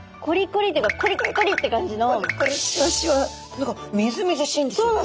何かみずみずしいんですよね。